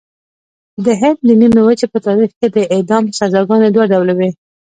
د هند د نیمې وچې په تاریخ کې د اعدام سزاګانې دوه ډوله وې.